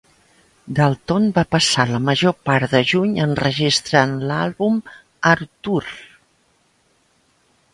Dalton va passar la major part de juny enregistrant l'àlbum "Arthur".